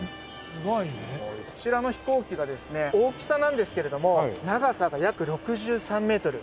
こちらの飛行機がですね大きさなんですけれども長さが約６３メートル。